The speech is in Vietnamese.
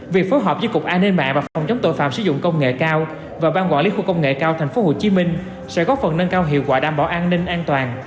việc phối hợp với cục an ninh mạng và phòng chống tội phạm sử dụng công nghệ cao và ban quản lý khu công nghệ cao tp hcm sẽ góp phần nâng cao hiệu quả đảm bảo an ninh an toàn